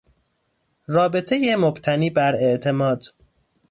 رابطهی مبتنی بر اعتماد